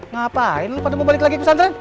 ngapain pada mau balik lagi ke pesantren